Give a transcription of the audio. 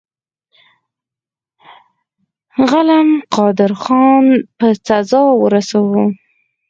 غلم قادرخان په سزا ورساوه.